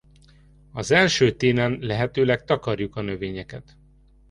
Az első télen lehetőleg takarjuk a növényeket.